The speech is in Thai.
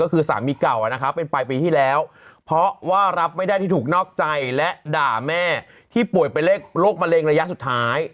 ก็คือสามีเก่าเป็นปลายปีที่แล้วเพราะว่ารับไม่ได้ที่ถูกนอกใจและด่าแม่ที่ป่วยเป็นโรคมะเร็งระยะสุดท้าย